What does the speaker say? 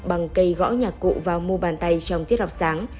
bằng cây gõ nhạc cụ vào mô bàn tay trong tiết học sáng